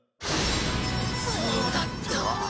そうだった。